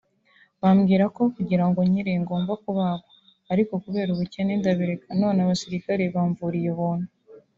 bambwira ko kugira ngo nkire ngomba kubagwa ariko kubera ubukene ndabireka none abasirikare bamvuriye ubuntu